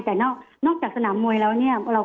แต่นอกจากสนามมวยแล้ว